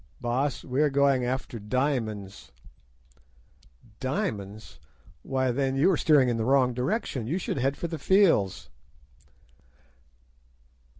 "'Baas, we are going after diamonds.' "'Diamonds! why, then, you are steering in the wrong direction; you should head for the Fields.